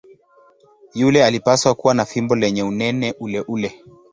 Yule alipaswa kuwa na fimbo lenye unene uleule.